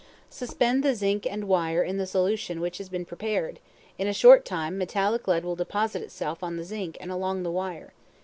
Suspend the zinc and wire in the solution which has been prepared; in a short time, metallic lead will deposit itself on the zinc and along the wire.